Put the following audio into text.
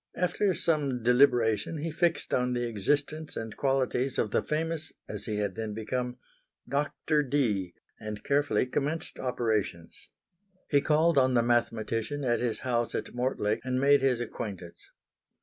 After some deliberation he fixed on the existence and qualities of the famous (as he had then become) Doctor Dee, and carefully commenced operations. He called on the mathematician at his house at Mortlake and made his acquaintance.